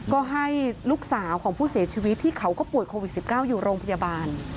ก็ให้ลูกสาวของผู้เสียชีวิตที่เขาก็ป่วยโควิด๑๙อยู่โรงพยาบาล